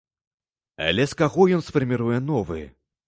Але з каго ён сфарміруе новы?